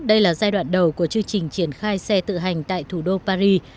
đây là giai đoạn đầu của chương trình triển khai xe tự hành tại thủ đô paris